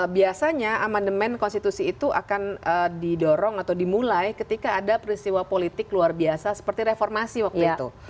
biasanya amandemen konstitusi itu akan didorong atau dimulai ketika ada peristiwa politik luar biasa seperti reformasi waktu itu